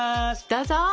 どうぞ。